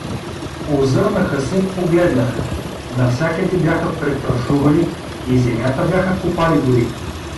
Озърнаха се, погледнаха: навсякъде бяха претършували, и земята бяха копали дори.